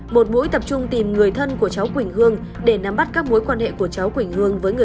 một mũi tập trung tìm người thân của cháu quỳnh hương để nắm bắt các mối quan hệ của cháu quỳnh hương với người